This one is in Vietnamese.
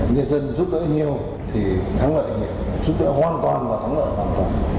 nhân dân giúp đỡ nhiều thì thắng lợi này giúp đỡ hoàn toàn và thắng lợi hoàn toàn